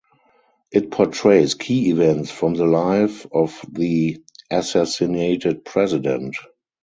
It portrays key events from the life of the assassinated president.